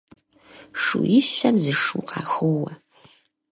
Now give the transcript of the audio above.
Шууищэм зы шу къахоуэ.